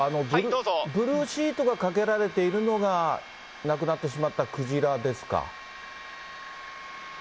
ブルーシートがかけられているのが、亡くなってしまったクジラですか。